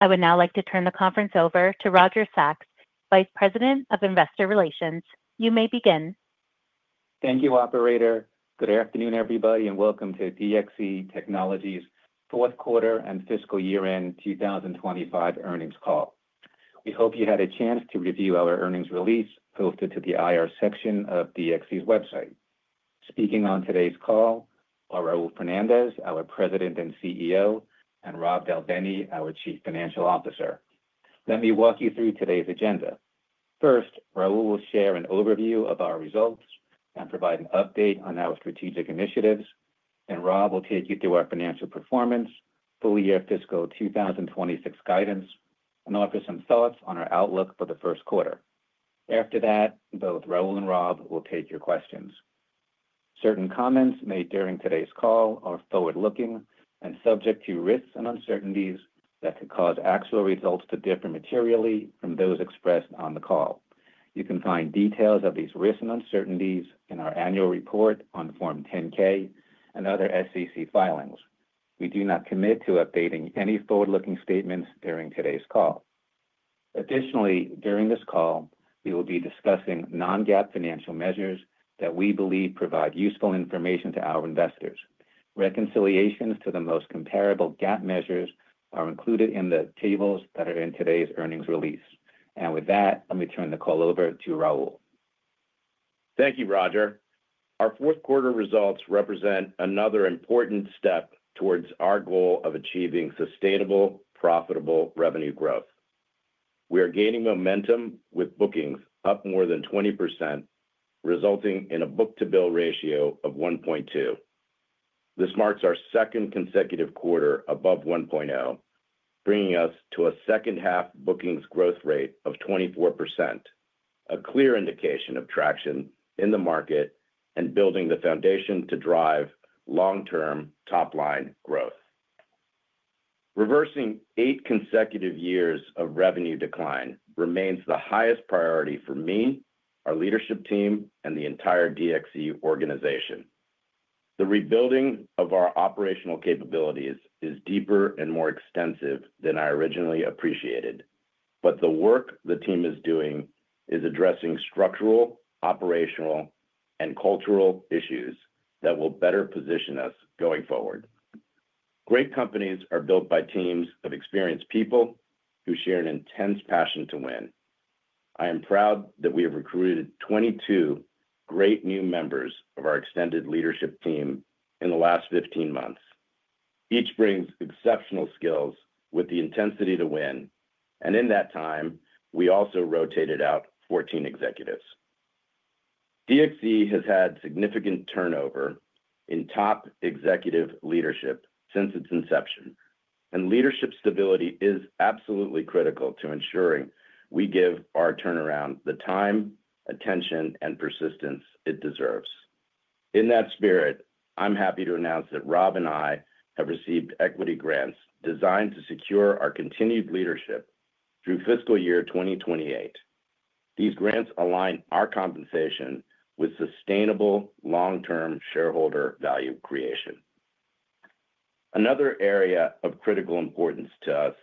I would now like to turn the conference over to Roger Sachs, Vice President of Investor Relations. You may begin. Thank you, Operator. Good afternoon, everybody, and welcome to DXC Technology's fourth quarter and fiscal year-end 2025 earnings call. We hope you had a chance to review our earnings release posted to the IR section of DXC's website. Speaking on today's call are Raul Fernandez, our President and CEO, and Rob Del Bene, our Chief Financial Officer. Let me walk you through today's agenda. First, Raul will share an overview of our results and provide an update on our strategic initiatives, and Rob will take you through our financial performance, full-year fiscal 2026 guidance, and offer some thoughts on our outlook for the first quarter. After that, both Raul and Rob will take your questions. Certain comments made during today's call are forward-looking and subject to risks and uncertainties that could cause actual results to differ materially from those expressed on the call. You can find details of these risks and uncertainties in our annual report on Form 10-K and other SEC filings. We do not commit to updating any forward-looking statements during today's call. Additionally, during this call, we will be discussing non-GAAP financial measures that we believe provide useful information to our investors. Reconciliations to the most comparable GAAP measures are included in the tables that are in today's earnings release. With that, let me turn the call over to Raul. Thank you, Roger. Our fourth quarter results represent another important step towards our goal of achieving sustainable, profitable revenue growth. We are gaining momentum with bookings up more than 20%, resulting in a book-to-bill ratio of 1.2. This marks our second consecutive quarter above 1.0, bringing us to a second-half bookings growth rate of 24%, a clear indication of traction in the market and building the foundation to drive long-term top-line growth. Reversing eight consecutive years of revenue decline remains the highest priority for me, our leadership team, and the entire DXC organization. The rebuilding of our operational capabilities is deeper and more extensive than I originally appreciated, but the work the team is doing is addressing structural, operational, and cultural issues that will better position us going forward. Great companies are built by teams of experienced people who share an intense passion to win. I am proud that we have recruited 22 great new members of our extended leadership team in the last 15 months. Each brings exceptional skills with the intensity to win, and in that time, we also rotated out 14 executives. DXC has had significant turnover in top executive leadership since its inception, and leadership stability is absolutely critical to ensuring we give our turnaround the time, attention, and persistence it deserves. In that spirit, I'm happy to announce that Rob and I have received equity grants designed to secure our continued leadership through fiscal year 2028. These grants align our compensation with sustainable long-term shareholder value creation. Another area of critical importance to us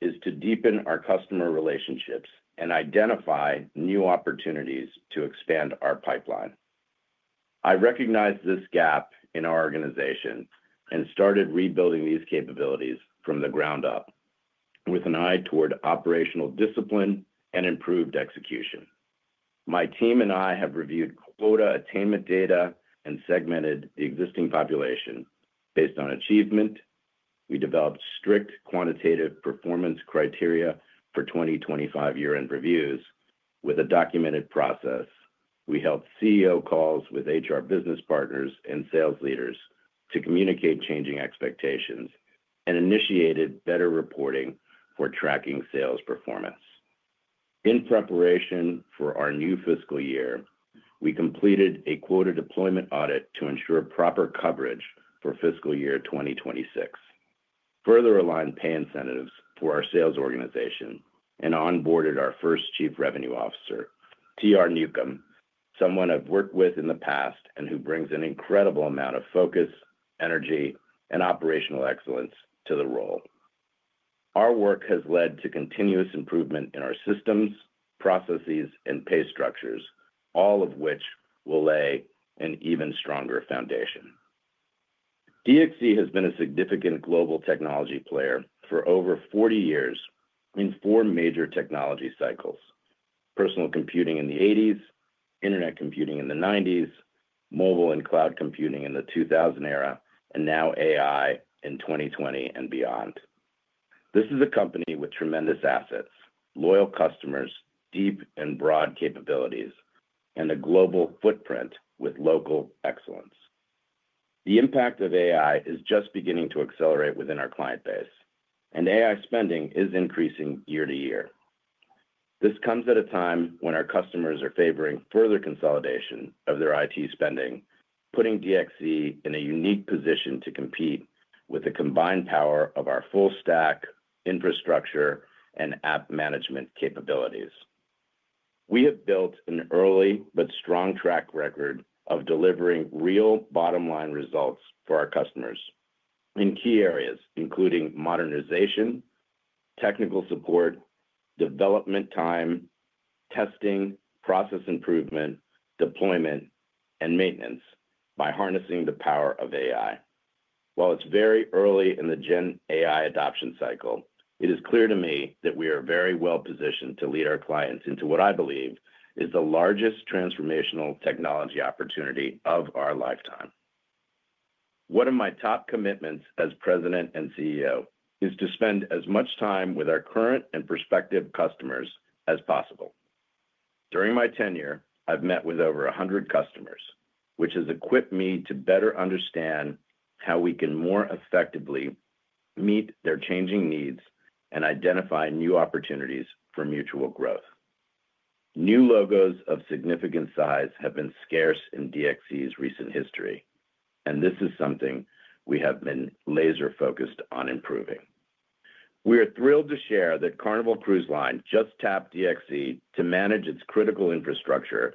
is to deepen our customer relationships and identify new opportunities to expand our pipeline. I recognize this gap in our organization and started rebuilding these capabilities from the ground up with an eye toward operational discipline and improved execution. My team and I have reviewed quota attainment data and segmented the existing population based on achievement. We developed strict quantitative performance criteria for 2025 year-end reviews with a documented process. We held CEO calls with HR business partners and sales leaders to communicate changing expectations and initiated better reporting for tracking sales performance. In preparation for our new fiscal year, we completed a quota deployment audit to ensure proper coverage for fiscal year 2026, further aligned pay incentives for our sales organization, and onboarded our first Chief Revenue Officer, TR Newcomb, someone I've worked with in the past and who brings an incredible amount of focus, energy, and operational excellence to the role. Our work has led to continuous improvement in our systems, processes, and pay structures, all of which will lay an even stronger foundation. DXC has been a significant global technology player for over 40 years in four major technology cycles: personal computing in the 1980s, internet computing in the 1990s, mobile and cloud computing in the 2000 era, and now AI in 2020 and beyond. This is a company with tremendous assets, loyal customers, deep and broad capabilities, and a global footprint with local excellence. The impact of AI is just beginning to accelerate within our client base, and AI spending is increasing year-to-year. This comes at a time when our customers are favoring further consolidation of their IT spending, putting DXC in a unique position to compete with the combined power of our full stack, infrastructure, and app management capabilities. We have built an early but strong track record of delivering real bottom-line results for our customers in key areas including modernization, technical support, development time, testing, process improvement, deployment, and maintenance by harnessing the power of AI. While it's very early in the Gen AI adoption cycle, it is clear to me that we are very well positioned to lead our clients into what I believe is the largest transformational technology opportunity of our lifetime. One of my top commitments as President and CEO is to spend as much time with our current and prospective customers as possible. During my tenure, I've met with over 100 customers, which has equipped me to better understand how we can more effectively meet their changing needs and identify new opportunities for mutual growth. New logos of significant size have been scarce in DXC's recent history, and this is something we have been laser-focused on improving. We are thrilled to share that Carnival Cruise Line just tapped DXC to manage its critical infrastructure,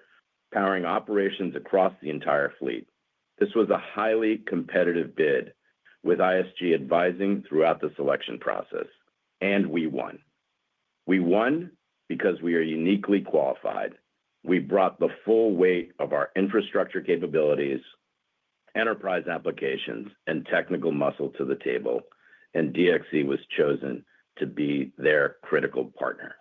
powering operations across the entire fleet. This was a highly competitive bid, with ISG advising throughout the selection process, and we won. We won because we are uniquely qualified. We brought the full weight of our infrastructure capabilities, enterprise applications, and technical muscle to the table, and DXC was chosen to be their critical partner.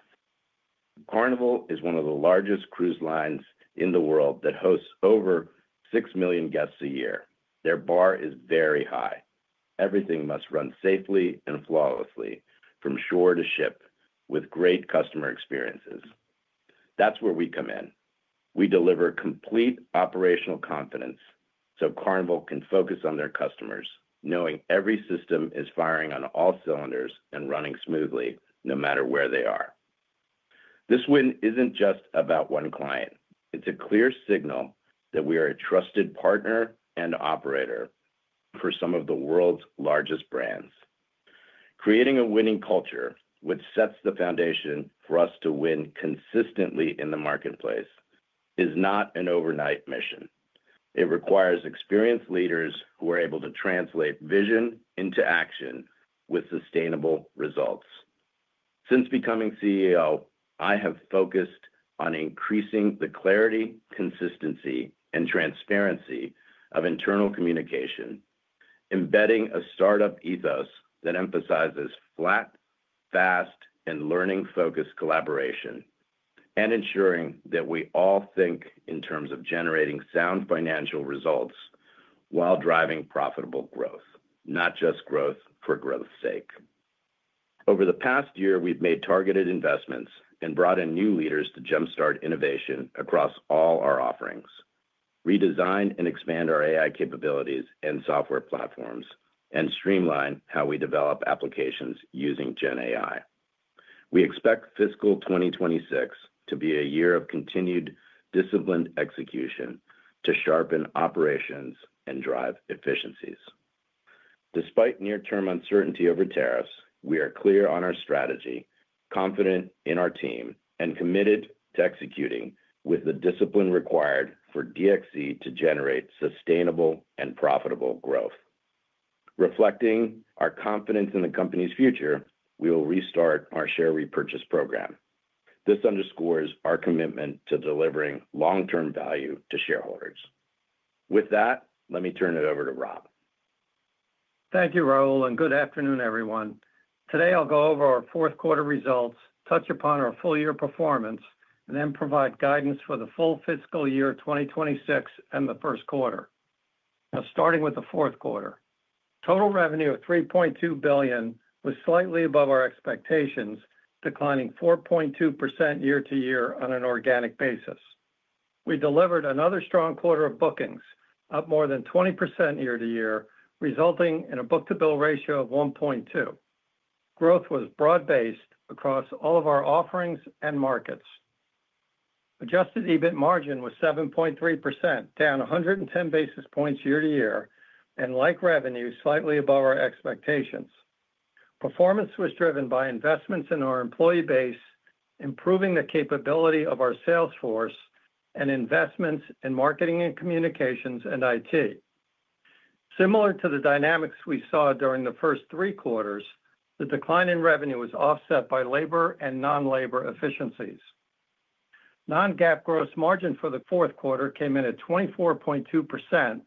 Carnival is one of the largest cruise lines in the world that hosts over 6 million guests a year. Their bar is very high. Everything must run safely and flawlessly from shore to ship with great customer experiences. That's where we come in. We deliver complete operational confidence so Carnival can focus on their customers, knowing every system is firing on all cylinders and running smoothly no matter where they are. This win is not just about one client. It is a clear signal that we are a trusted partner and operator for some of the world's largest brands. Creating a winning culture, which sets the foundation for us to win consistently in the marketplace, is not an overnight mission. It requires experienced leaders who are able to translate vision into action with sustainable results. Since becoming CEO, I have focused on increasing the clarity, consistency, and transparency of internal communication, embedding a startup ethos that emphasizes flat, fast, and learning-focused collaboration, and ensuring that we all think in terms of generating sound financial results while driving profitable growth, not just growth for growth's sake. Over the past year, we've made targeted investments and brought in new leaders to jump-start innovation across all our offerings, redesign and expand our AI capabilities and software platforms, and streamline how we develop applications using Gen AI. We expect fiscal 2026 to be a year of continued disciplined execution to sharpen operations and drive efficiencies. Despite near-term uncertainty over tariffs, we are clear on our strategy, confident in our team, and committed to executing with the discipline required for DXC to generate sustainable and profitable growth. Reflecting our confidence in the company's future, we will restart our share repurchase program. This underscores our commitment to delivering long-term value to shareholders. With that, let me turn it over to Rob. Thank you, Raul, and good afternoon, everyone. Today, I'll go over our fourth quarter results, touch upon our full-year performance, and then provide guidance for the full fiscal year 2026 and the first quarter. Now, starting with the fourth quarter, total revenue of $3.2 billion was slightly above our expectations, declining 4.2% year-to-year on an organic basis. We delivered another strong quarter of bookings, up more than 20% year-to-year, resulting in a book-to-bill ratio of 1.2. Growth was broad-based across all of our offerings and markets. Adjusted EBIT margin was 7.3%, down 110 basis points year-to-year, and like revenue, slightly above our expectations. Performance was driven by investments in our employee base, improving the capability of our sales force, and investments in marketing and communications and IT. Similar to the dynamics we saw during the first three quarters, the decline in revenue was offset by labor and non-labor efficiencies. Non-GAAP gross margin for the fourth quarter came in at 24.2%,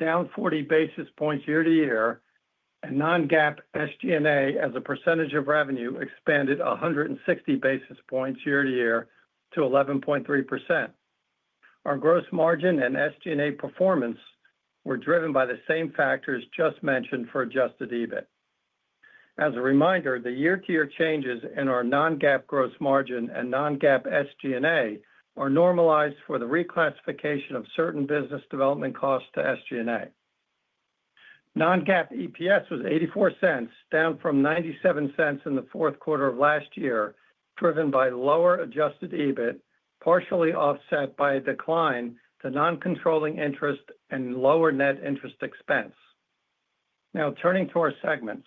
down 40 basis points year-to-year, and non-GAAP SG&A as a percentage of revenue expanded 160 basis points year-to-year to 11.3%. Our gross margin and SG&A performance were driven by the same factors just mentioned for adjusted EBIT. As a reminder, the year-to-year changes in our non-GAAP gross margin and non-GAAP SG&A are normalized for the reclassification of certain business development costs to SG&A. Non-GAAP EPS was $0.84, down from $0.97 in the fourth quarter of last year, driven by lower adjusted EBIT, partially offset by a decline to non-controlling interest and lower net interest expense. Now, turning to our segments,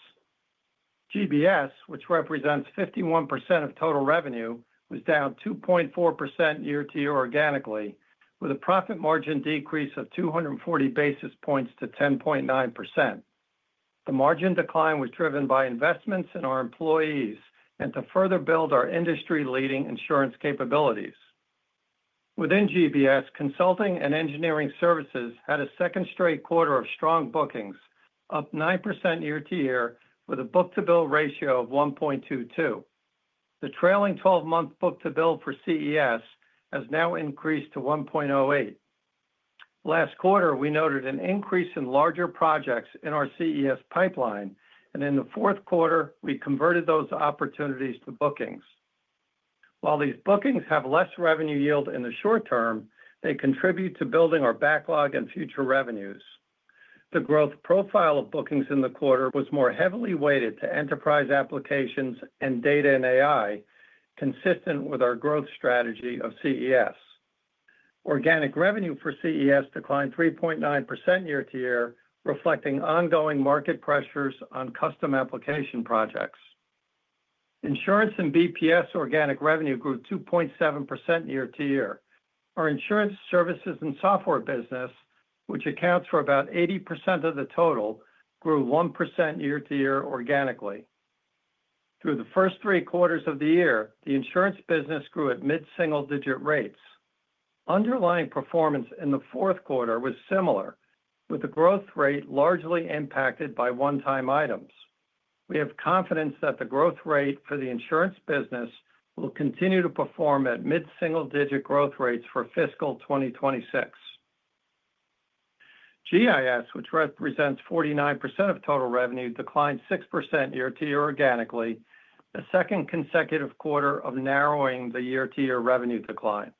GBS, which represents 51% of total revenue, was down 2.4% year-to-year organically, with a profit margin decrease of 240 basis points to 10.9%. The margin decline was driven by investments in our employees and to further build our industry-leading insurance capabilities. Within GBS, consulting and engineering services had a second straight quarter of strong bookings, up 9% year-to-year, with a book-to-bill ratio of 1.22. The trailing 12-month book-to-bill for CES has now increased to 1.08. Last quarter, we noted an increase in larger projects in our CES pipeline, and in the fourth quarter, we converted those opportunities to bookings. While these bookings have less revenue yield in the short term, they contribute to building our backlog and future revenues. The growth profile of bookings in the quarter was more heavily weighted to enterprise applications and data and AI, consistent with our growth strategy of CES. Organic revenue for CES declined 3.9% year-to-year, reflecting ongoing market pressures on custom application projects. Insurance and BPS organic revenue grew 2.7% year-to-year. Our insurance services and software business, which accounts for about 80% of the total, grew 1% year-to-year organically. Through the first three quarters of the year, the insurance business grew at mid-single-digit rates. Underlying performance in the fourth quarter was similar, with the growth rate largely impacted by one-time items. We have confidence that the growth rate for the insurance business will continue to perform at mid-single-digit growth rates for fiscal 2026. GIS, which represents 49% of total revenue, declined 6% year-to-year organically, the second consecutive quarter of narrowing the year-to-year revenue decline.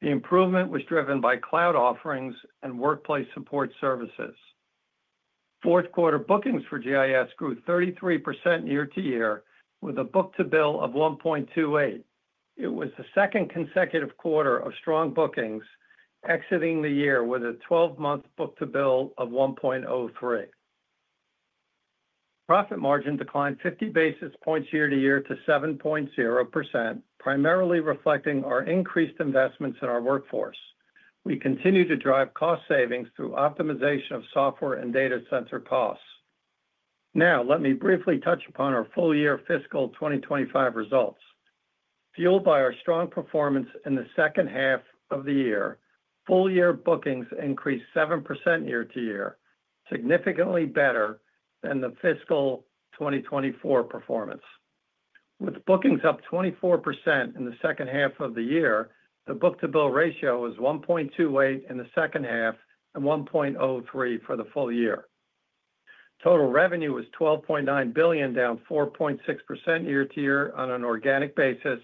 The improvement was driven by cloud offerings and workplace support services. Fourth quarter bookings for GIS grew 33% year-to-year, with a book-to-bill of 1.28. It was the second consecutive quarter of strong bookings, exiting the year with a 12-month book-to-bill of 1.03. Profit margin declined 50 basis points year-to-year to 7.0%, primarily reflecting our increased investments in our workforce. We continue to drive cost savings through optimization of software and data center costs. Now, let me briefly touch upon our full-year fiscal 2025 results. Fueled by our strong performance in the second half of the year, full-year bookings increased 7% year-to-year, significantly better than the fiscal 2024 performance. With bookings up 24% in the second half of the year, the book-to-bill ratio was 1.28 in the second half and 1.03 for the full year. Total revenue was $12.9 billion, down 4.6% year-to-year on an organic basis,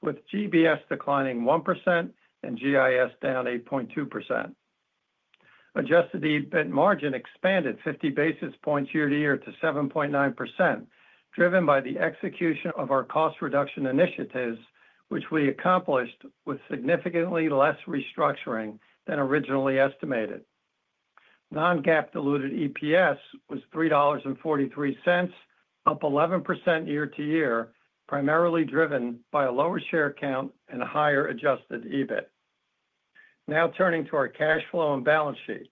with GBS declining 1% and GIS down 8.2%. Adjusted EBIT margin expanded 50 basis points year-to-year to 7.9%, driven by the execution of our cost reduction initiatives, which we accomplished with significantly less restructuring than originally estimated. Non-GAAP diluted EPS was $3.43, up 11% year-to-year, primarily driven by a lower share count and a higher adjusted EBIT. Now, turning to our cash flow and balance sheet.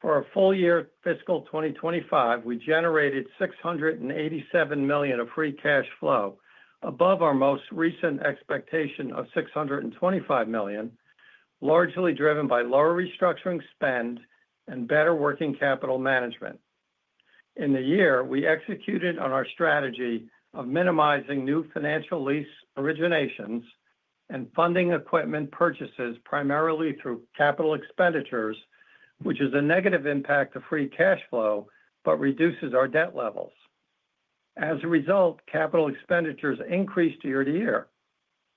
For our full-year fiscal 2025, we generated $687 million of free cash flow, above our most recent expectation of $625 million, largely driven by lower restructuring spend and better working capital management. In the year, we executed on our strategy of minimizing new financial lease originations and funding equipment purchases primarily through capital expenditures, which is a negative impact to free cash flow but reduces our debt levels. As a result, capital expenditures increased year-to-year.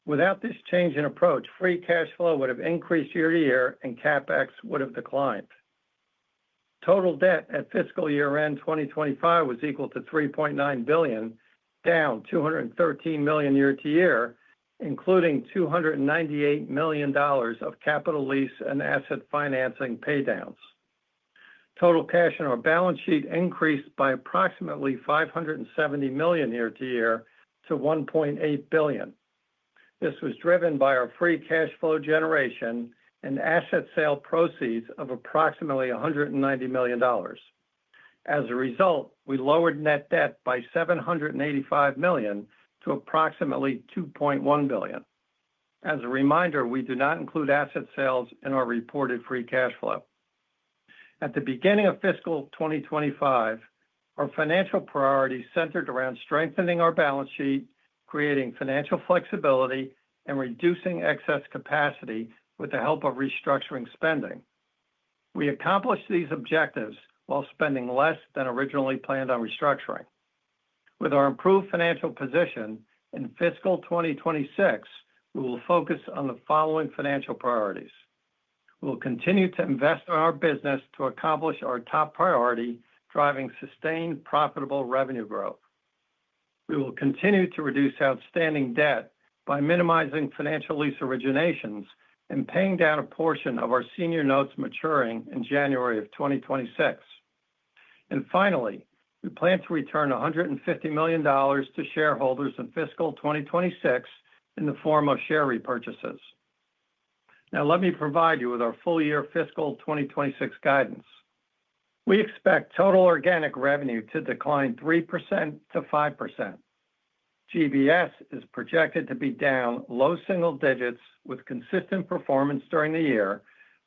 Without this change in approach, free cash flow would have increased year-to-year and CapEx would have declined. Total debt at fiscal year-end 2025 was equal to $3.9 billion, down $213 million year-to-year, including $298 million of capital lease and asset financing paydowns. Total cash in our balance sheet increased by approximately $570 million year-to-year to $1.8 billion. This was driven by our free cash flow generation and asset sale proceeds of approximately $190 million. As a result, we lowered net debt by $785 million to approximately $2.1 billion. As a reminder, we do not include asset sales in our reported free cash flow. At the beginning of fiscal 2025, our financial priorities centered around strengthening our balance sheet, creating financial flexibility, and reducing excess capacity with the help of restructuring spending. We accomplished these objectives while spending less than originally planned on restructuring. With our improved financial position in fiscal 2026, we will focus on the following financial priorities. We will continue to invest in our business to accomplish our top priority, driving sustained profitable revenue growth. We will continue to reduce outstanding debt by minimizing financial lease originations and paying down a portion of our senior notes maturing in January of 2026. Finally, we plan to return $150 million to shareholders in fiscal 2026 in the form of share repurchases. Now, let me provide you with our full-year fiscal 2026 guidance. We expect total organic revenue to decline 3% to 5%. GBS is projected to be down low single digits with consistent performance during the year,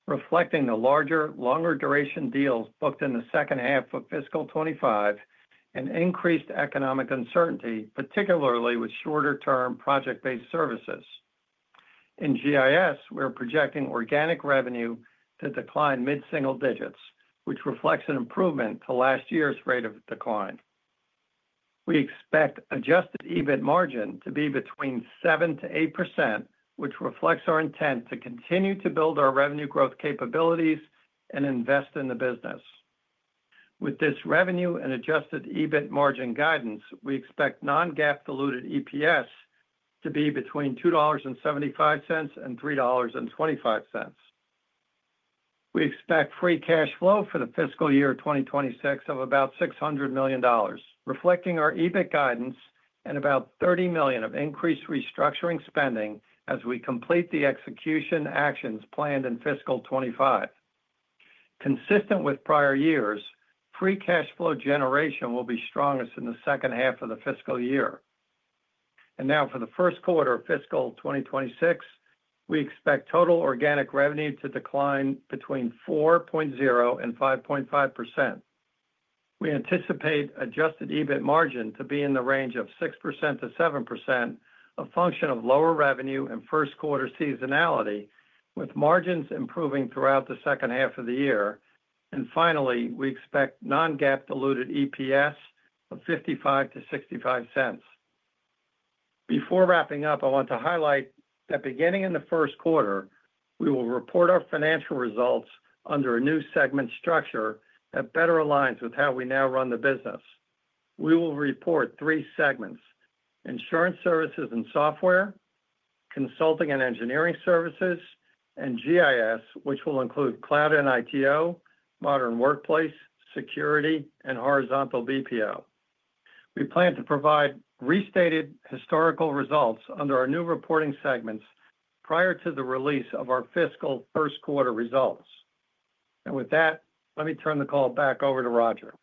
reflecting the larger, longer duration deals booked in the second half of fiscal 2025 and increased economic uncertainty, particularly with shorter-term project-based services. In GIS, we are projecting organic revenue to decline mid-single digits, which reflects an improvement to last year's rate of decline. We expect adjusted EBIT margin to be between 7%-8%, which reflects our intent to continue to build our revenue growth capabilities and invest in the business. With this revenue and adjusted EBIT margin guidance, we expect non-GAAP diluted EPS to be between $2.75 and $3.25. We expect free cash flow for the fiscal year 2026 of about $600 million, reflecting our EBIT guidance and about $30 million of increased restructuring spending as we complete the execution actions planned in fiscal 2025. Consistent with prior years, free cash flow generation will be strongest in the second half of the fiscal year. For the first quarter of fiscal 2026, we expect total organic revenue to decline between 4.0% and 5.5%. We anticipate adjusted EBIT margin to be in the range of 6%-7%, a function of lower revenue and first quarter seasonality, with margins improving throughout the second half of the year. Finally, we expect non-GAAP diluted EPS of $0.55-$0.65. Before wrapping up, I want to highlight that beginning in the first quarter, we will report our financial results under a new segment structure that better aligns with how we now run the business. We will report three segments: insurance services and software, consulting and engineering services, and GIS, which will include cloud and ITO, modern workplace, security, and horizontal BPO. We plan to provide restated historical results under our new reporting segments prior to the release of our fiscal first quarter results. With that, let me turn the call back over to Roger.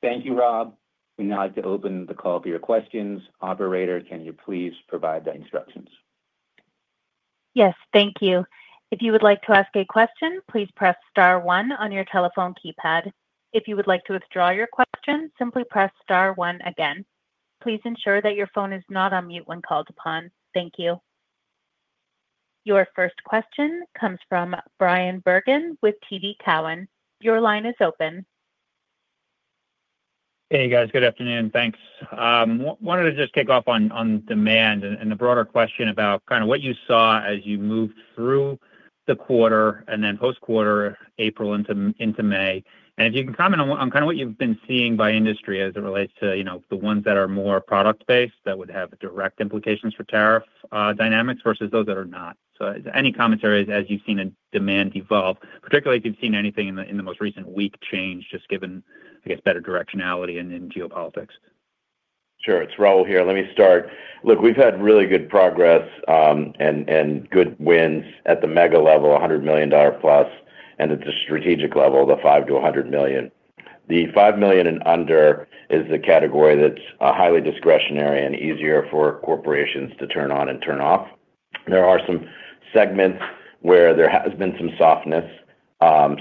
Thank you, Rob. We now get to open the call for your questions. Operator, can you please provide the instructions? Yes, thank you. If you would like to ask a question, please press star one on your telephone keypad. If you would like to withdraw your question, simply press star one again. Please ensure that your phone is not on mute when called upon. Thank you. Your first question comes from Bryan Bergin with TD Cowen. Your line is open. Hey, guys. Good afternoon. Thanks. Wanted to just kick off on demand and the broader question about kind of what you saw as you moved through the quarter and then post-quarter April into May. If you can comment on kind of what you've been seeing by industry as it relates to the ones that are more product-based that would have direct implications for tariff dynamics versus those that are not. Any commentary as you've seen demand evolve, particularly if you've seen anything in the most recent week change, just given, I guess, better directionality and then geopolitics? Sure. It's Raul here. Let me start. Look, we've had really good progress and good wins at the mega level, $100 million plus, and at the strategic level, the $5 million-$100 million. The $5 million and under is the category that's highly discretionary and easier for corporations to turn on and turn off. There are some segments where there has been some softness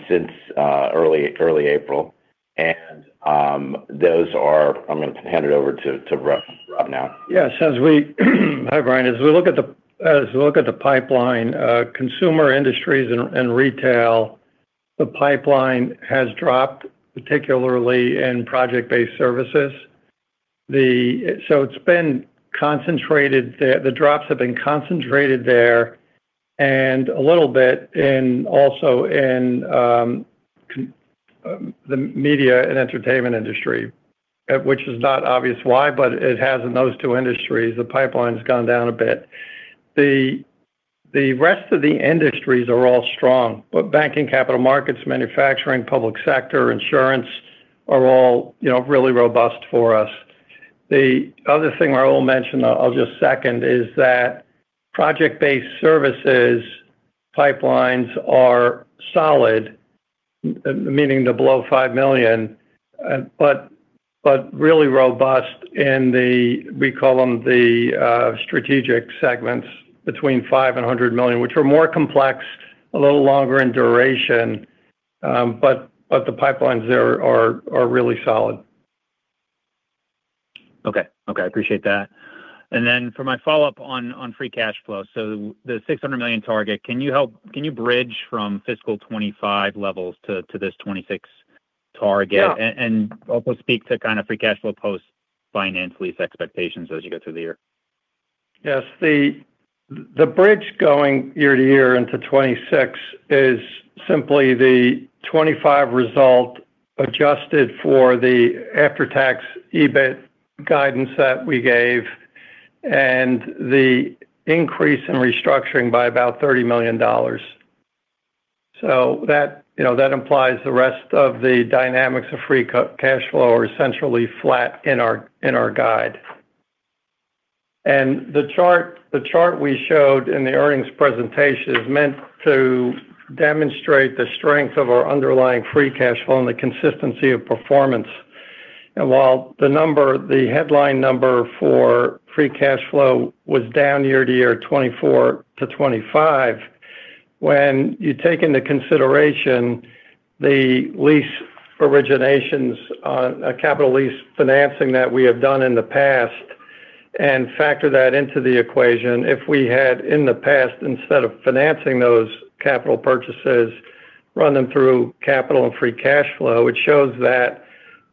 since early April. Those are—I'm going to hand it over to Rob now. Yeah. Hi, Bryan. As we look at the pipeline, consumer industries and retail, the pipeline has dropped, particularly in project-based services. It has been concentrated, the drops have been concentrated there and a little bit also in the media and entertainment industry, which is not obvious why, but it has in those two industries. The pipeline's gone down a bit. The rest of the industries are all strong, but banking, capital markets, manufacturing, public sector, insurance are all really robust for us. The other thing I will mention, I'll just second, is that project-based services pipelines are solid, meaning the below $5 million, but really robust in the—we call them the strategic segments between $5 million and $100 million, which are more complex, a little longer in duration. The pipelines there are really solid. Okay. Okay. I appreciate that. For my follow-up on free cash flow, so the $600 million target, can you bridge from fiscal 2025 levels to this 2026 target and also speak to kind of free cash flow post-finance lease expectations as you go through the year? Yes. The bridge going year-to-year into 2026 is simply the 2025 result adjusted for the after-tax EBIT guidance that we gave and the increase in restructuring by about $30 million. That implies the rest of the dynamics of free cash flow are essentially flat in our guide. The chart we showed in the earnings presentation is meant to demonstrate the strength of our underlying free cash flow and the consistency of performance. While the headline number for free cash flow was down year-to-year 2024 to 2025, when you take into consideration the lease originations on capital lease financing that we have done in the past and factor that into the equation, if we had in the past, instead of financing those capital purchases, run them through capital and free cash flow, it shows that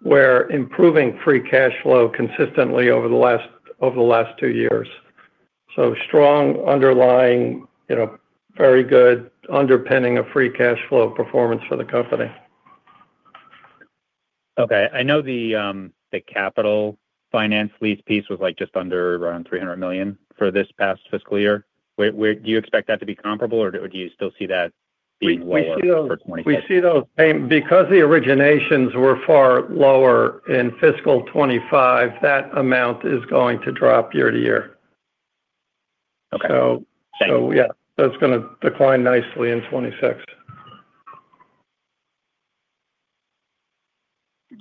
we're improving free cash flow consistently over the last two years. Strong underlying, very good underpinning of free cash flow performance for the company. Okay. I know the capital finance lease piece was just under around $300 million for this past fiscal year. Do you expect that to be comparable, or do you still see that being lower for 2025? We see those payments because the originations were far lower in fiscal 2025. That amount is going to drop year-to-year. Yeah, that's going to decline nicely in 2026.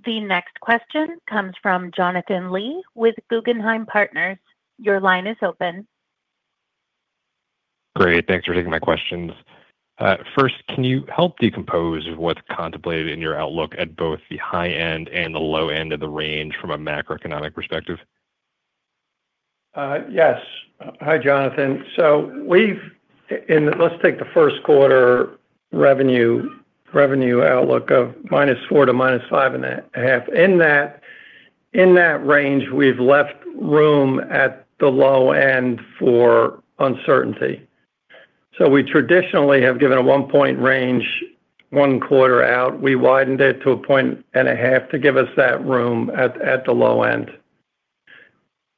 The next question comes from Jonathan Lee with Guggenheim Partners. Your line is open. Great. Thanks for taking my questions. First, can you help decompose what's contemplated in your outlook at both the high end and the low end of the range from a macroeconomic perspective? Yes. Hi, Jonathan. Let's take the first quarter revenue outlook of -4% to -5.5%. In that range, we've left room at the low end for uncertainty. We traditionally have given a one-point range one quarter out. We widened it to a point and a half to give us that room at the low end.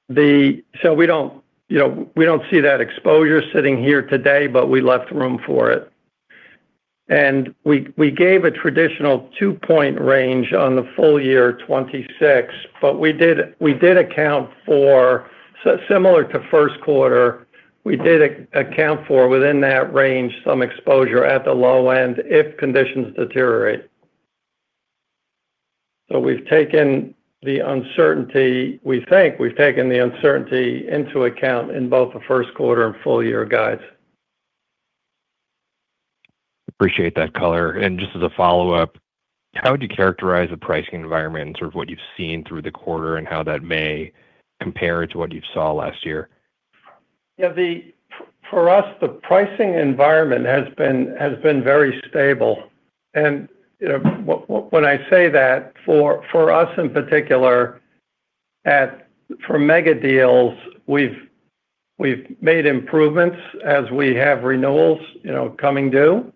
We do not see that exposure sitting here today, but we left room for it. We gave a traditional two-point range on the full year 2026, but we did account for, similar to first quarter, we did account for within that range some exposure at the low end if conditions deteriorate. We think we have taken the uncertainty into account in both the first quarter and full year guides. Appreciate that color. Just as a follow-up, how would you characterize the pricing environment and sort of what you have seen through the quarter and how that may compare to what you saw last year? Yeah. For us, the pricing environment has been very stable. When I say that, for us in particular, for mega deals, we have made improvements as we have renewals coming due.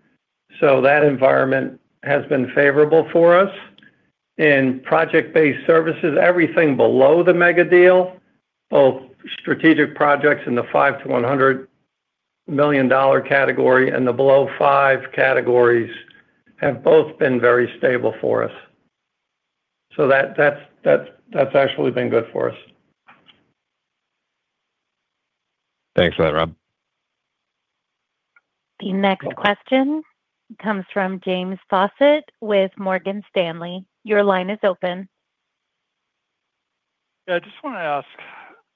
That environment has been favorable for us. In project-based services, everything below the mega deal, both strategic projects in the $5 million- $100 million category and the below $5 million categories have both been very stable for us. That has actually been good for us. Thanks for that, Rob. The next question comes from James Faucette with Morgan Stanley. Your line is open. Yeah. I just want to ask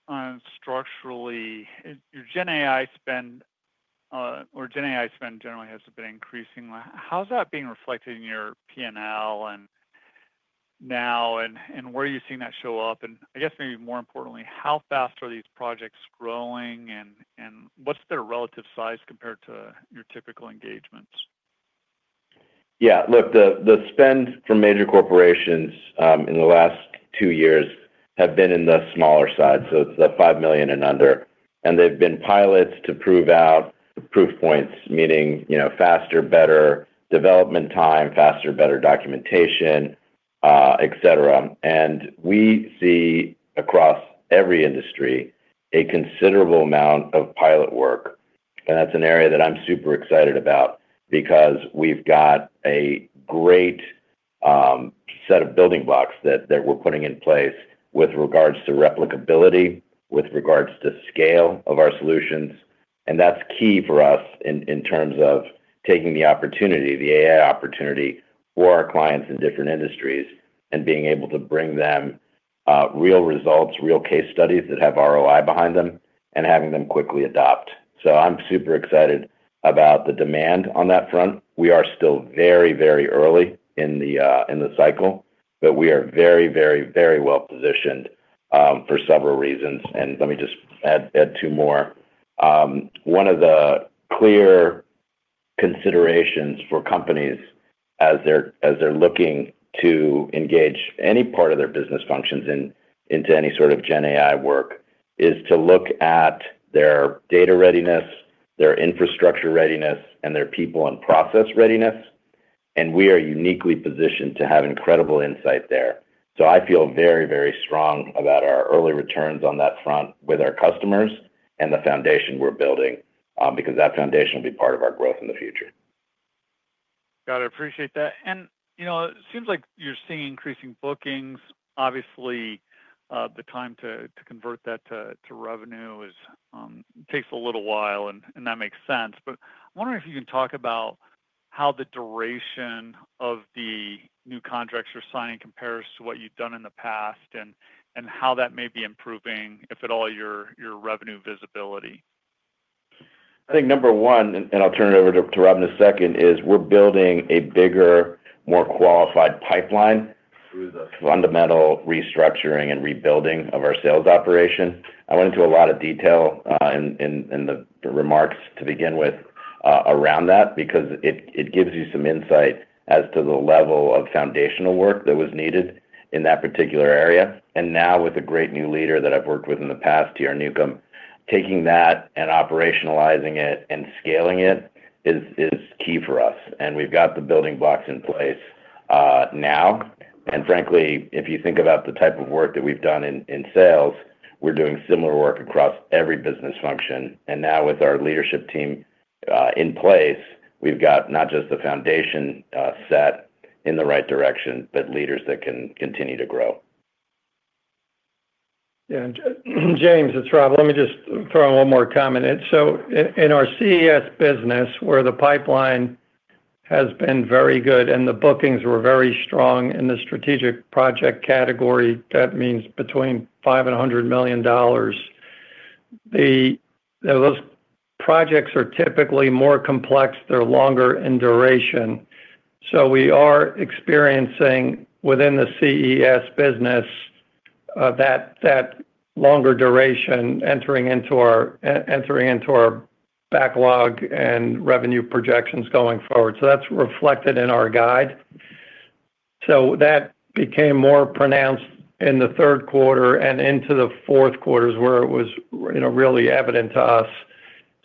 on structurally, your GenAI spend, or GenAI spend generally has been increasing. How's that being reflected in your P&L now, and where are you seeing that show up? I guess maybe more importantly, how fast are these projects growing, and what's their relative size compared to your typical engagements? Yeah. Look, the spend for major corporations in the last two years has been on the smaller side. It is the $5 million and under. They've been pilots to prove out proof points, meaning faster, better development time, faster, better documentation, etc. We see across every industry a considerable amount of pilot work. That's an area that I'm super excited about because we've got a great set of building blocks that we're putting in place with regards to replicability, with regards to scale of our solutions. That's key for us in terms of taking the opportunity, the AI opportunity for our clients in different industries and being able to bring them real results, real case studies that have ROI behind them and having them quickly adopt. I'm super excited about the demand on that front. We are still very, very early in the cycle, but we are very, very, very well positioned for several reasons. Let me just add two more. One of the clear considerations for companies as they're looking to engage any part of their business functions into any sort of GenAI work is to look at their data readiness, their infrastructure readiness, and their people and process readiness. We are uniquely positioned to have incredible insight there. I feel very, very strong about our early returns on that front with our customers and the foundation we're building because that foundation will be part of our growth in the future. Got it. Appreciate that. It seems like you're seeing increasing bookings. Obviously, the time to convert that to revenue takes a little while, and that makes sense. I'm wondering if you can talk about how the duration of the new contracts you're signing compares to what you've done in the past and how that may be improving, if at all, your revenue visibility. I think number one, I'll turn it over to Rob in a second, is we're building a bigger, more qualified pipeline through the fundamental restructuring and rebuilding of our sales operation. I went into a lot of detail in the remarks to begin with around that because it gives you some insight as to the level of foundational work that was needed in that particular area. Now with a great new leader that I've worked with in the past, TR Newcomb, taking that and operationalizing it and scaling it is key for us. We've got the building blocks in place now. Frankly, if you think about the type of work that we've done in sales, we're doing similar work across every business function. Now with our leadership team in place, we have not just the foundation set in the right direction, but leaders that can continue to grow. Yeah. James, it is Rob. Let me just throw in one more comment. In our CES business, where the pipeline has been very good and the bookings were very strong in the strategic project category, that means between $5 million and $100 million. Those projects are typically more complex. They are longer in duration. We are experiencing within the CES business that longer duration entering into our backlog and revenue projections going forward. That is reflected in our guide. That became more pronounced in the third quarter and into the fourth quarters where it was really evident to us.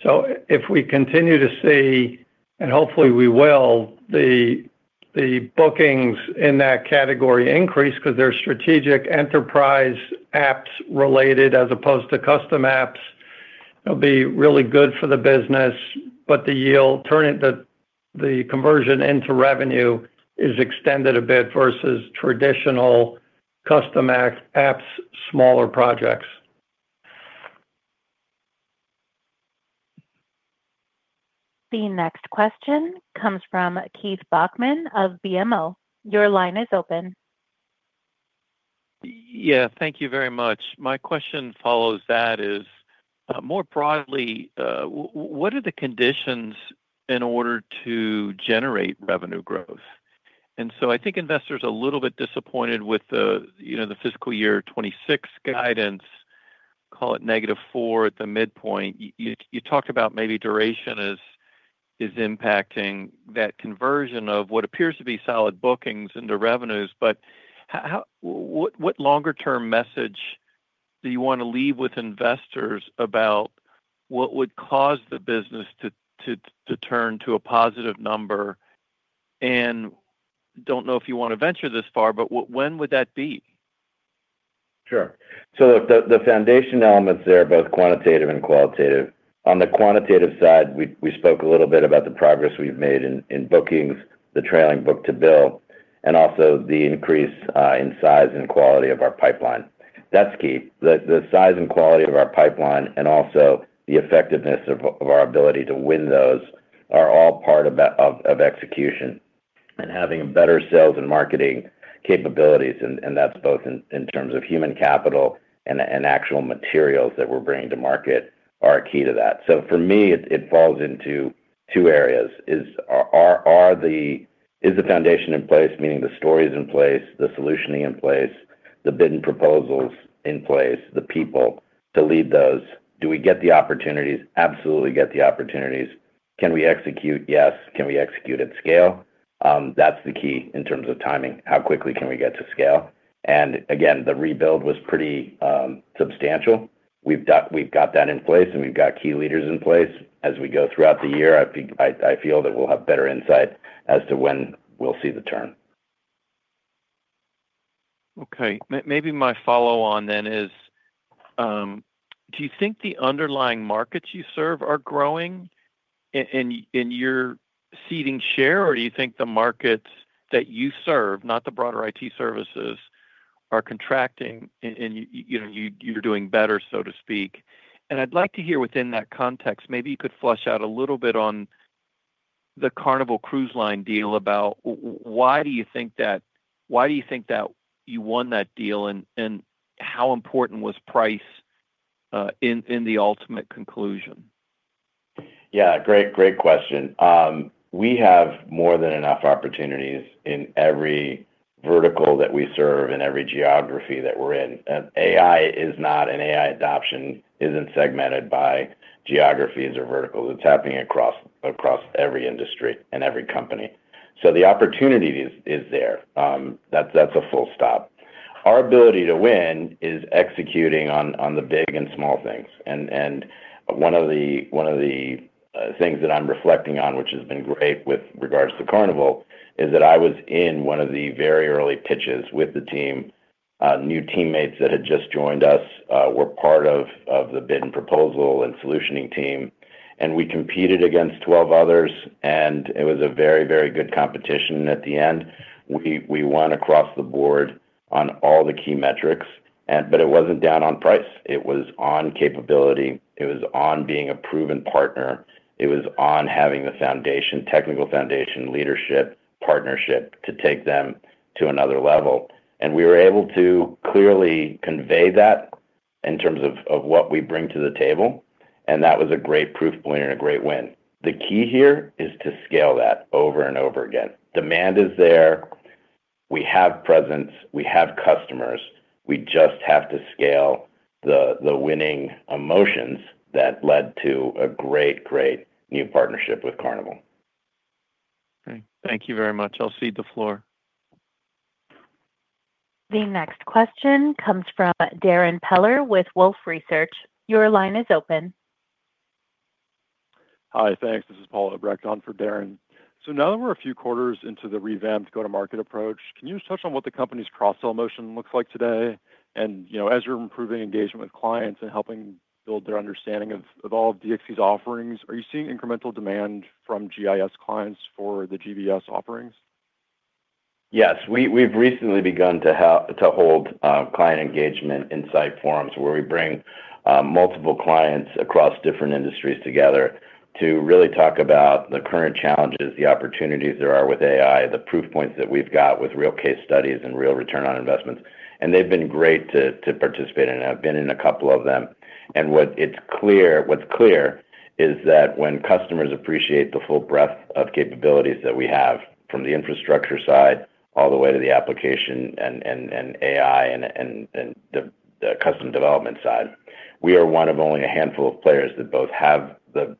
If we continue to see, and hopefully we will, the bookings in that category increase because they're strategic enterprise apps related as opposed to custom apps, it'll be really good for the business. The conversion into revenue is extended a bit versus traditional custom apps, smaller projects. The next question comes from Keith Bachman of BMO. Your line is open. Yeah. Thank you very much. My question follows that is, more broadly, what are the conditions in order to generate revenue growth? I think investors are a little bit disappointed with the fiscal year 2026 guidance, call it -4 at the midpoint. You talked about maybe duration is impacting that conversion of what appears to be solid bookings into revenues. What longer-term message do you want to leave with investors about what would cause the business to turn to a positive number? do not know if you want to venture this far, but when would that be? Sure. The foundation elements there are both quantitative and qualitative. On the quantitative side, we spoke a little bit about the progress we have made in bookings, the trailing book-to-bill, and also the increase in size and quality of our pipeline. That is key. The size and quality of our pipeline and also the effectiveness of our ability to win those are all part of execution and having better sales and marketing capabilities. That is both in terms of human capital and actual materials that we are bringing to market, which are key to that. For me, it falls into two areas. Is the foundation in place, meaning the story is in place, the solutioning in place, the bid and proposals in place, the people to lead those? Do we get the opportunities? Absolutely get the opportunities. Can we execute? Yes. Can we execute at scale? That is the key in terms of timing. How quickly can we get to scale? Again, the rebuild was pretty substantial. We have got that in place, and we have got key leaders in place. As we go throughout the year, I feel that we will have better insight as to when we will see the turn. Okay. Maybe my follow-on then is, do you think the underlying markets you serve are growing and you are seeding share, or do you think the markets that you serve, not the broader IT services, are contracting and you are doing better, so to speak? I'd like to hear within that context, maybe you could flush out a little bit on the Carnival Cruise Line deal about why do you think that you won that deal and how important was price in the ultimate conclusion. Yeah. Great question. We have more than enough opportunities in every vertical that we serve and every geography that we're in. AI adoption isn't segmented by geographies or verticals. It's happening across every industry and every company. The opportunity is there. That's a full stop. Our ability to win is executing on the big and small things. One of the things that I'm reflecting on, which has been great with regards to Carnival, is that I was in one of the very early pitches with the team. New teammates that had just joined us were part of the bid and proposal and solutioning team. We competed against 12 others, and it was a very, very good competition at the end. We won across the board on all the key metrics, but it was not down on price. It was on capability. It was on being a proven partner. It was on having the foundation, technical foundation, leadership, partnership to take them to another level. We were able to clearly convey that in terms of what we bring to the table. That was a great proof point and a great win. The key here is to scale that over and over again. Demand is there. We have presence. We have customers. We just have to scale the winning emotions that led to a great, great new partnership with Carnival. Thank you very much. I'll cede the floor. The next question comes from Darrin Peller with Wolfe Research. Your line is open. Hi. Thanks. This is Paul Obrecht for Darrin. Now that we're a few quarters into the revamped go-to-market approach, can you just touch on what the company's cross-sale motion looks like today? As you're improving engagement with clients and helping build their understanding of all of DXC's offerings, are you seeing incremental demand from GIS clients for the GBS offerings? Yes. We've recently begun to hold client engagement insight forums where we bring multiple clients across different industries together to really talk about the current challenges, the opportunities there are with AI, the proof points that we've got with real case studies and real return on investments. They've been great to participate in, and I've been in a couple of them. What is clear is that when customers appreciate the full breadth of capabilities that we have from the infrastructure side all the way to the application and AI and the custom development side, we are one of only a handful of players that both have the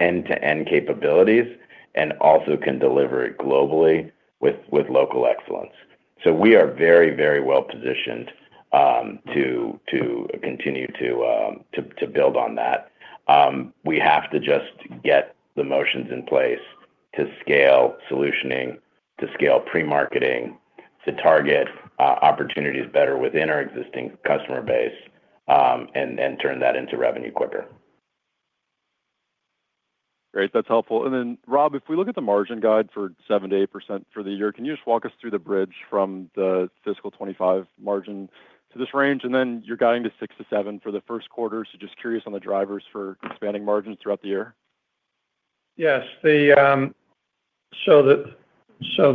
end-to-end capabilities and also can deliver it globally with local excellence. We are very, very well positioned to continue to build on that. We have to just get the motions in place to scale solutioning, to scale pre-marketing, to target opportunities better within our existing customer base and turn that into revenue quicker. Great. That is helpful. Rob, if we look at the margin guide for 7%-8% for the year, can you just walk us through the bridge from the fiscal 2025 margin to this range? You are guiding to 6%-7% for the first quarter. Just curious on the drivers for expanding margins throughout the year. Yes. From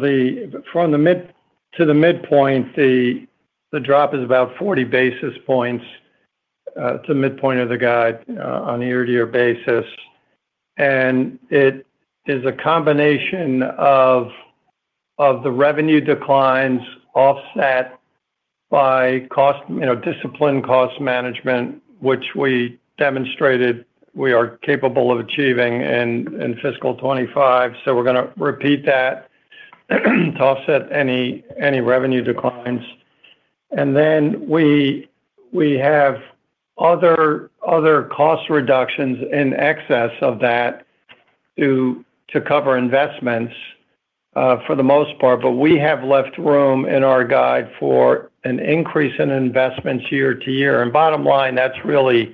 the mid to the midpoint, the drop is about 40 basis points to midpoint of the guide on year-to-year basis. It is a combination of the revenue declines offset by disciplined cost management, which we demonstrated we are capable of achieving in fiscal 2025. We are going to repeat that to offset any revenue declines. We have other cost reductions in excess of that to cover investments for the most part. We have left room in our guide for an increase in investments year-to-year. Bottom line, that really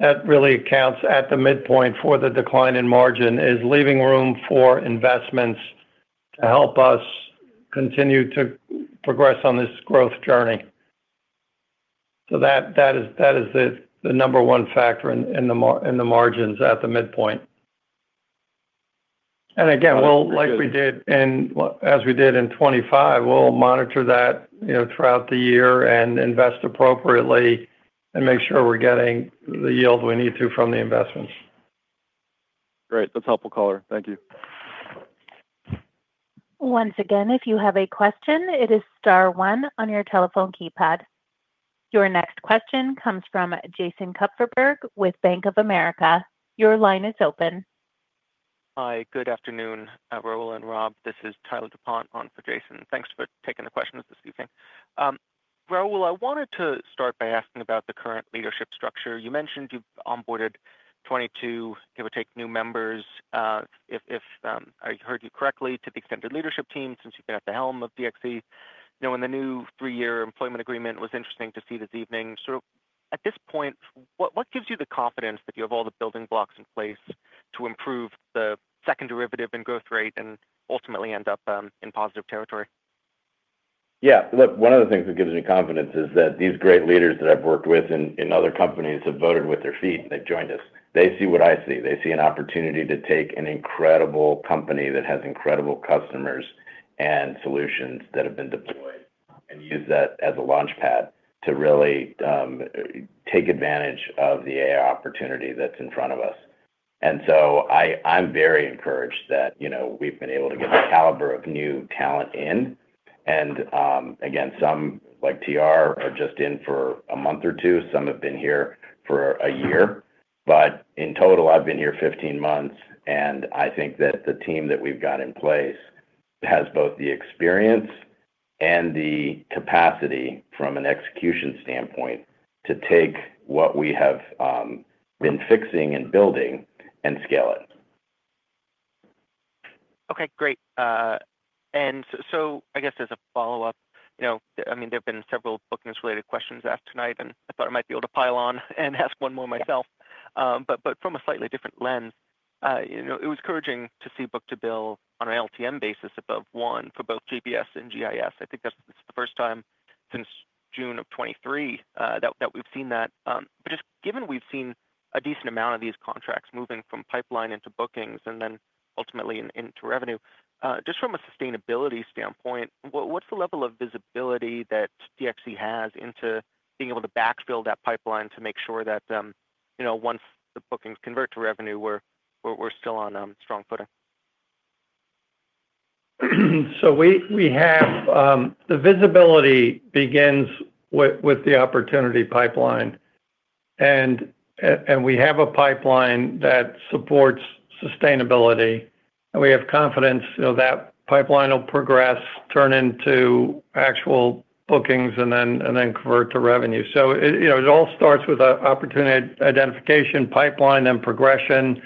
accounts at the midpoint for the decline in margin, leaving room for investments to help us continue to progress on this growth journey. That is the number one factor in the margins at the midpoint. Again, like we did as we did in 2025, we'll monitor that throughout the year and invest appropriately and make sure we're getting the yield we need to from the investments. Great. That's helpful, color. Thank you. Once again, if you have a question, it is star one on your telephone keypad. Your next question comes from Jason Kupferberg with Bank of America. Your line is open. Hi. Good afternoon, Raul and Rob. This is Tyler DuPont on for Jason. Thanks for taking the question this evening. Raul, I wanted to start by asking about the current leadership structure. You mentioned you've onboarded 22, give or take, new members, if I heard you correctly, to the extended leadership team since you've been at the helm of DXC. And the new three-year employment agreement was interesting to see this evening. At this point, what gives you the confidence that you have all the building blocks in place to improve the second derivative and growth rate and ultimately end up in positive territory? Yeah. One of the things that gives me confidence is that these great leaders that I've worked with in other companies have voted with their feet and they've joined us. They see what I see. They see an opportunity to take an incredible company that has incredible customers and solutions that have been deployed and use that as a launchpad to really take advantage of the AI opportunity that's in front of us. I am very encouraged that we've been able to get the caliber of new talent in. Again, some like TR are just in for a month or two. Some have been here for a year. In total, I've been here 15 months. I think that the team that we've got in place has both the experience and the capacity from an execution standpoint to take what we have been fixing and building and scale it. Okay. Great. I guess as a follow-up, I mean, there have been several bookings-related questions asked tonight, and I thought I might be able to pile on and ask one more myself. From a slightly different lens, it was encouraging to see book to bill on an LTM basis above one for both GBS and GIS. I think that's the first time since June of 2023 that we've seen that. Given we've seen a decent amount of these contracts moving from pipeline into bookings and then ultimately into revenue, just from a sustainability standpoint, what's the level of visibility that DXC has into being able to backfill that pipeline to make sure that once the bookings convert to revenue, we're still on strong footing? The visibility begins with the opportunity pipeline. We have a pipeline that supports sustainability. We have confidence that pipeline will progress, turn into actual bookings, and then convert to revenue. It all starts with an opportunity identification, pipeline, and progression.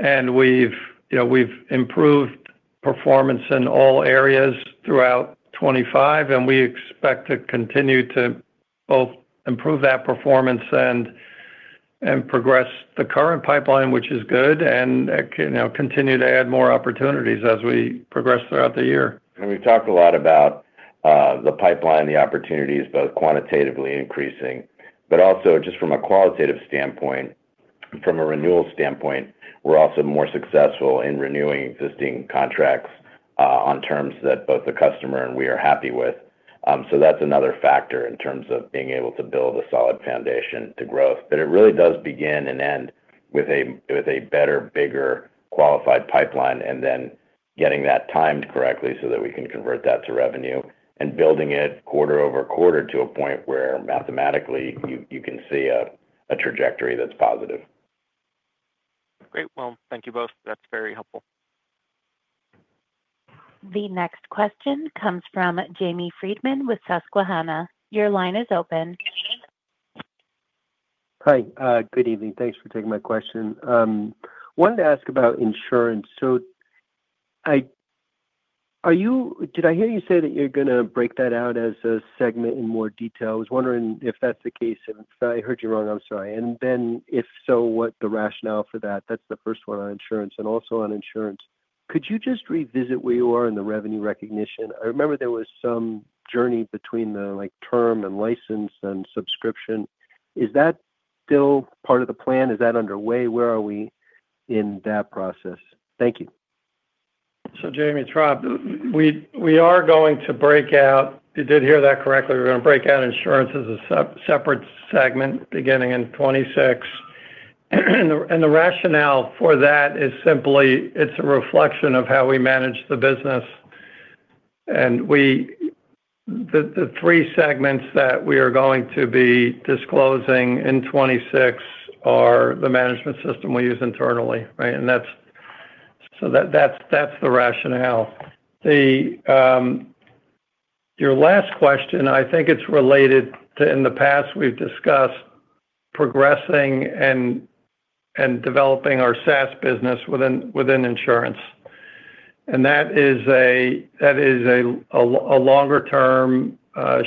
We've improved performance in all areas throughout 2025. We expect to continue to both improve that performance and progress the current pipeline, which is good, and continue to add more opportunities as we progress throughout the year. We have talked a lot about the pipeline, the opportunities, both quantitatively increasing, but also just from a qualitative standpoint, from a renewal standpoint, we are also more successful in renewing existing contracts on terms that both the customer and we are happy with. That is another factor in terms of being able to build a solid foundation to growth. It really does begin and end with a better, bigger, qualified pipeline and then getting that timed correctly so that we can convert that to revenue and building it quarter over quarter to a point where mathematically you can see a trajectory that is positive. Great. Thank you both. That is very helpful. The next question comes from Jamie Friedman with Susquehanna. Your line is open. Hi. Good evening. Thanks for taking my question. I wanted to ask about insurance. Did I hear you say that you're going to break that out as a segment in more detail? I was wondering if that's the case. If I heard you wrong, I'm sorry. If so, what is the rationale for that? That's the first one on insurance. Also on insurance, could you just revisit where you are in the revenue recognition? I remember there was some journey between the term and license and subscription. Is that still part of the plan? Is that underway? Where are we in that process? Thank you. Jamie, Rob, we are going to break out. You did hear that correctly. We're going to break out insurance as a separate segment beginning in 2026. The rationale for that is simply it's a reflection of how we manage the business. The three segments that we are going to be disclosing in 2026 are the management system we use internally, right? That is the rationale. Your last question, I think it's related to in the past, we've discussed progressing and developing our SaaS business within insurance. That is a longer-term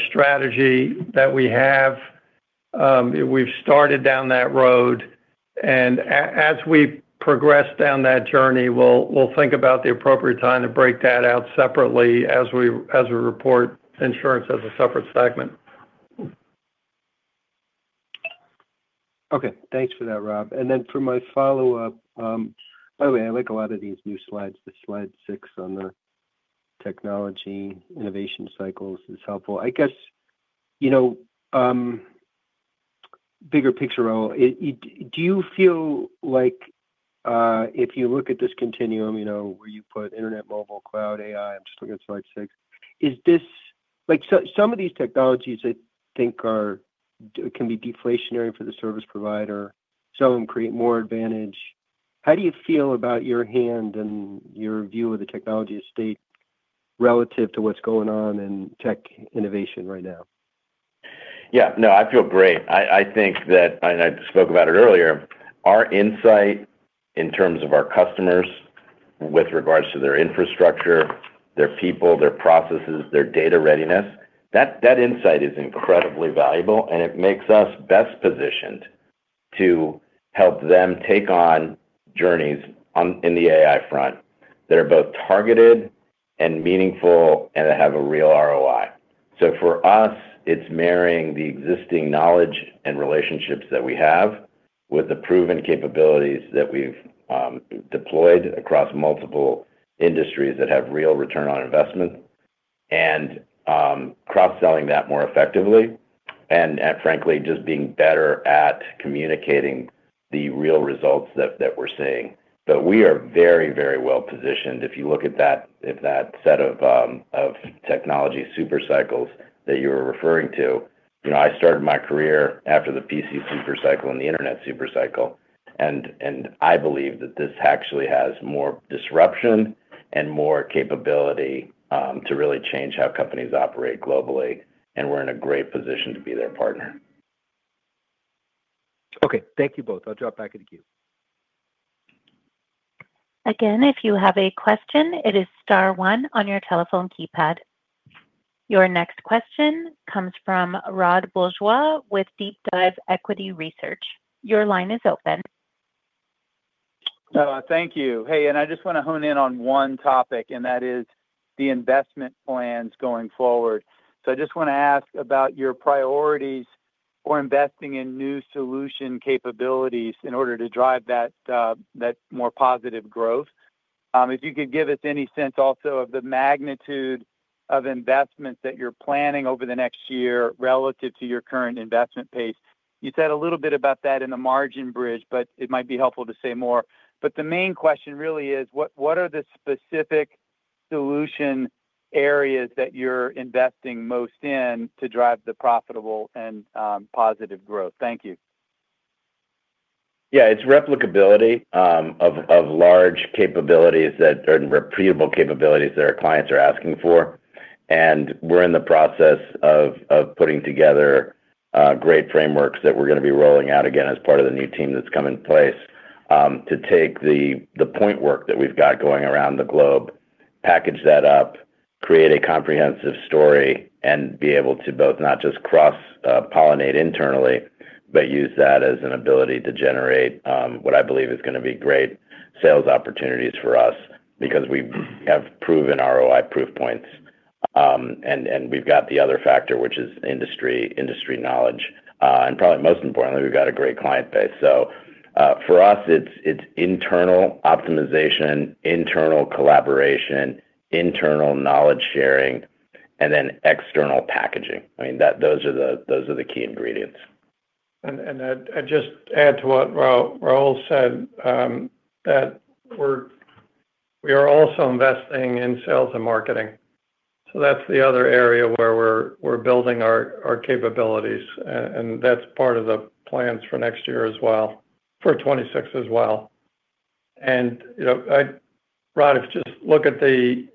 strategy that we have. We've started down that road. As we progress down that journey, we'll think about the appropriate time to break that out separately as we report insurance as a separate segment. Okay. Thanks for that, Rob. For my follow-up, by the way, I like a lot of these new slides, the slide six on the technology innovation cycles is helpful. I guess bigger picture, Raul, do you feel like if you look at this continuum where you put internet, mobile, cloud, AI, I'm just looking at slide six, some of these technologies I think can be deflationary for the service provider. Some create more advantage. How do you feel about your hand and your view of the technology estate relative to what's going on in tech innovation right now? Yeah. No, I feel great. I think that, and I spoke about it earlier, our insight in terms of our customers with regards to their infrastructure, their people, their processes, their data readiness, that insight is incredibly valuable. It makes us best positioned to help them take on journeys in the AI front that are both targeted and meaningful and have a real ROI. For us, it's marrying the existing knowledge and relationships that we have with the proven capabilities that we've deployed across multiple industries that have real return on investment and cross-selling that more effectively and, frankly, just being better at communicating the real results that we're seeing. We are very, very well positioned. If you look at that set of technology supercycles that you were referring to, I started my career after the PC supercycle and the internet supercycle. I believe that this actually has more disruption and more capability to really change how companies operate globally. We are in a great position to be their partner. Okay. Thank you both. I'll drop back into queue. Again, if you have a question, it is star one on your telephone keypad. Your next question comes from Rod Bourgeois with DeepDive Equity Research. Your line is open. Thank you. Hey, and I just want to hone in on one topic, and that is the investment plans going forward. I just want to ask about your priorities for investing in new solution capabilities in order to drive that more positive growth. If you could give us any sense also of the magnitude of investments that you're planning over the next year relative to your current investment pace. You said a little bit about that in the margin bridge, but it might be helpful to say more. The main question really is, what are the specific solution areas that you're investing most in to drive the profitable and positive growth? Thank you. Yeah. It's replicability of large capabilities and reputable capabilities that our clients are asking for. We are in the process of putting together great frameworks that we are going to be rolling out again as part of the new team that has come in place to take the point work that we have going around the globe, package that up, create a comprehensive story, and be able to both not just cross-pollinate internally, but use that as an ability to generate what I believe is going to be great sales opportunities for us because we have proven ROI proof points. We have the other factor, which is industry knowledge. Probably most importantly, we have a great client base. For us, it is internal optimization, internal collaboration, internal knowledge sharing, and then external packaging. I mean, those are the key ingredients. I would just add to what Raul said that we are also investing in sales and marketing. That's the other area where we're building our capabilities. That's part of the plans for next year as well, for 2026 as well. Rod, if you just look at the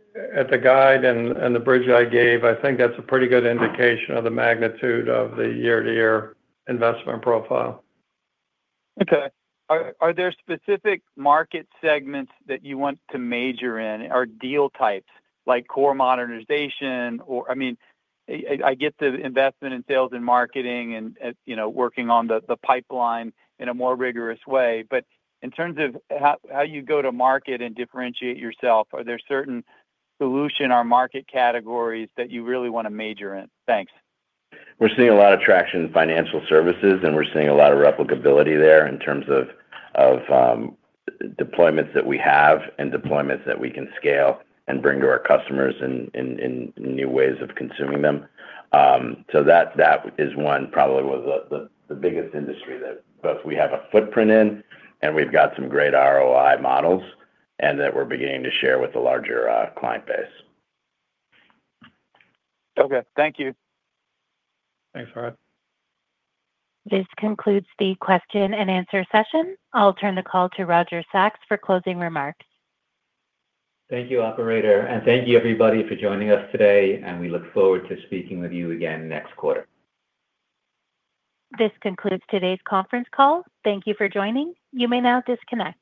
guide and the bridge I gave, I think that's a pretty good indication of the magnitude of the year-to-year investment profile. Okay. Are there specific market segments that you want to major in or deal types like core modernization? I mean, I get the investment in sales and marketing and working on the pipeline in a more rigorous way. In terms of how you go to market and differentiate yourself, are there certain solution or market categories that you really want to major in? Thanks. We're seeing a lot of traction in financial services, and we're seeing a lot of replicability there in terms of deployments that we have and deployments that we can scale and bring to our customers in new ways of consuming them. That is probably the biggest industry that both we have a footprint in and we've got some great ROI models and that we're beginning to share with the larger client base. Thank you. Thanks, Rod. This concludes the question and answer session. I'll turn the call to Roger Sachs for closing remarks. Thank you, operator. Thank you, everybody, for joining us today. We look forward to speaking with you again next quarter. This concludes today's conference call. Thank you for joining. You may now disconnect.